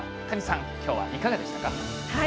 谷さん、きょうはいかがでしたか。